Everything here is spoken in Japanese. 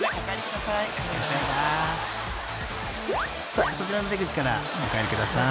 ［さあそちらの出口からお帰りください］